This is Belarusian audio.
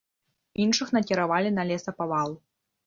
Іншых накіравалі на лесапавал.